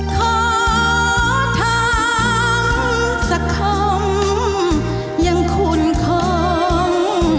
ขอทำสักคำยังคุ้นคง